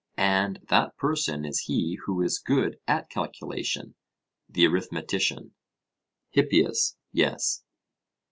And that person is he who is good at calculation the arithmetician? HIPPIAS: Yes.